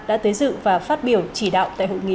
đã tới dự và phát biểu chỉ đạo tại hội nghị